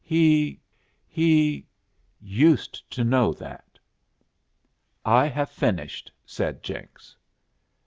"He he used to know that." "I have finished," said Jenks.